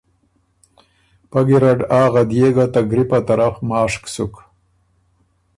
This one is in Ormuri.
پۀ ګیرډ آ غدئے ګۀ ته ګری په طرف ماشک سُک۔